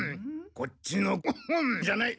こっちの「ゴホン」じゃない。